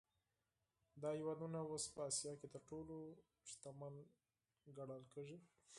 دا هېوادونه اوس په اسیا کې تر ټولو شتمن ګڼل کېږي.